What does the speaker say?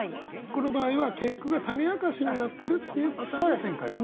この場合は結句が種明かしになってるっていうパターンの展開ですね。